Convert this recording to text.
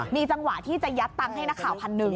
มีจังหวะที่จะยัดตังค์ให้นักข่าวพันหนึ่ง